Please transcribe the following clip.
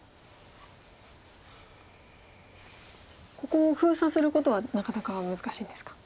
ここ封鎖することはなかなか難しいんですか。